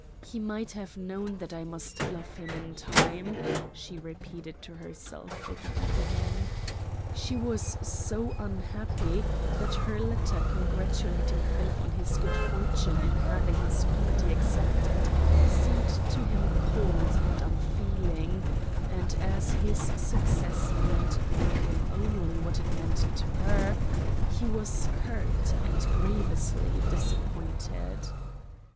"He might have known that I must love him in time," she repeated to herself again and again. She was so unhappy that her letter congratulating Philip on his good fortune in having his comedy accepted seemed to him cold and unfeeling, and as his success meant for him only what it meant to her, he was hurt and grievously disappointed.